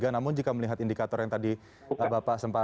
namun jika melihat indikator yang tadi bapak sempat